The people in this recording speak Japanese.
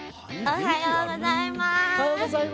おはようございます。